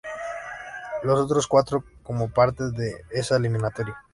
Los otros cuatro, como parte de esa eliminatoria.